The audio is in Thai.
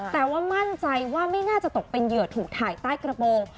แต่ว่ามั่นใจว่าไม่น่าจะตกเป็นเหยื่อถูกถ่ายใต้กระโปรง